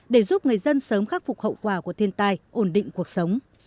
để giúp người dân sớm khắc phục hậu quả của thiên tai ổn định cuộc sống